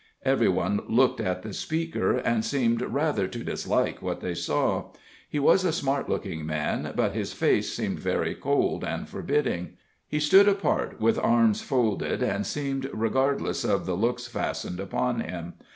Every one looked at the speaker, and seemed rather to dislike what they saw. He was a smart looking man, but his face seemed very cold and forbidding; he stood apart, with arms folded, and seemed regardless of the looks fastened upon him.